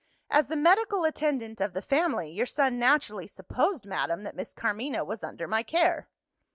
"As the medical attendant of the family, your son naturally supposed, madam, that Miss Carmina was under my care."